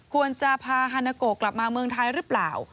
ควรจะพาฮานาโกกลับมาเมืองไทยหรือเปล่า